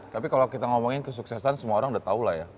tapi kalau kita ngomongin kesuksesan semua orang udah tau lah ya